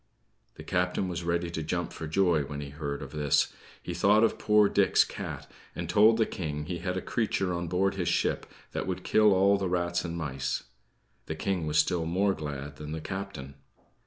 The captain was ready to jump for joy when he heard of this. He thought of poor Dick's cat, and told the King he had a creature on board his ship that would kill all the rats and mice. The King was still more glad than the captain.